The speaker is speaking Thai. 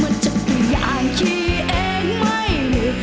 มันจะกินอย่างที่เองไม่มี